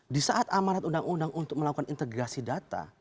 di saat amarat undang undang untuk melakukan integrasi data